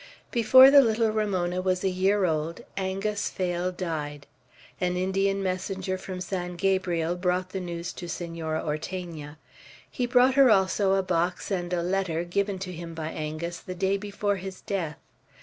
Before the little Ramona was a year old, Angus Phail died. An Indian messenger from San Gabriel brought the news to Senora Ortegna. He brought her also a box and a letter, given to him by Angus the day before his death.